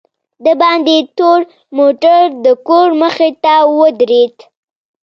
دباندې تور موټر دکور مخې ته ودرېد.